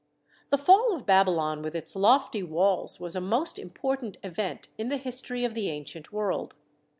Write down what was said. The fall of Babylon with its lofty walls was a most important event in the history of the ancient world.